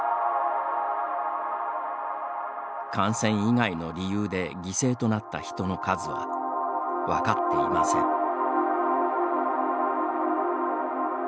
感染以外の理由で犠牲となった人の数は分かっていません。